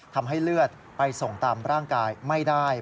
ทำให้เลือดไปส่งตามร่างกายไม่ได้